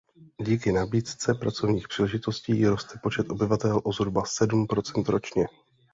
Díky nabídce pracovních příležitostí roste počet obyvatel o zhruba sedm procent ročně.